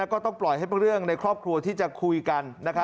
ก็ต้องปล่อยให้เรื่องในครอบครัวที่จะคุยกัน